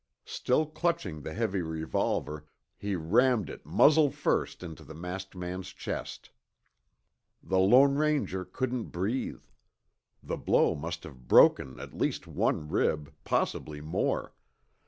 Still clutching the heavy revolver, he rammed it muzzle first into the masked man's chest. The Lone Ranger couldn't breathe. The blow must have broken at least one rib, possibly more.